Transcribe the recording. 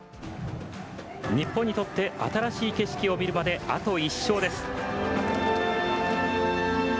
日本にとって新しい景色を見るまであと１勝です。